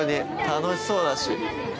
楽しそうだし。